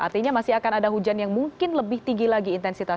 artinya masih akan ada hujan yang mungkin lebih tinggi lagi intensitas